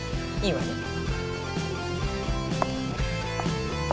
いいわね？